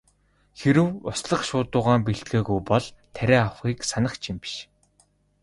Хэрэв услах шуудуугаа бэлтгээгүй бол тариа авахыг санах ч юм биш.